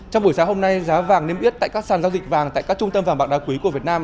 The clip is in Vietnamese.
trong buổi sáng hôm nay giá vàng niêm yết tại các sàn giao dịch vàng tại các trung tâm vàng bạc đa quý của việt nam